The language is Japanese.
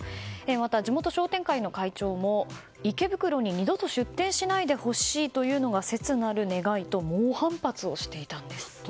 また、地元商店会の会長も池袋に二度と出店しないでほしいというのが切なる願いと猛反発していたんです。